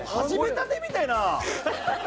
始めたてみたいな。